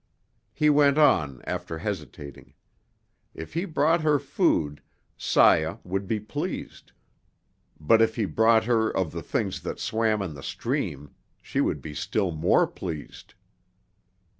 He went on, after hesitating. If he brought her food, Saya would be pleased, but if he brought her of the things that swam in the stream, she would be still more pleased.